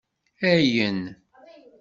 Ayen